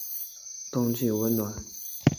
冬季温暖。